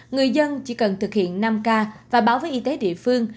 người dân chỉ cần thực hiện năm k và báo với y tế địa phương